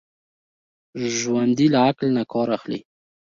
ژوندي له عقل نه کار اخلي